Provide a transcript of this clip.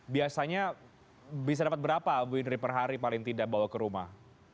biasanya bisa dapat berapa bu indri per hari paling tidak bawa ke rumah